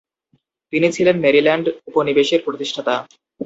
তিনি ছিলেন ম্যারিল্যান্ড উপনিবেশের প্রতিষ্ঠাতা।